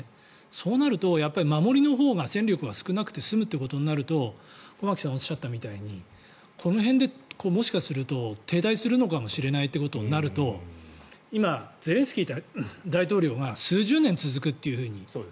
そうなると守りのほうが戦力が少なくて済むとなると駒木さんがおっしゃったみたいにこの辺でもしかすると停滞するのかもしれないってことになると今、ゼレンスキー大統領が数十年続くっていうふうに。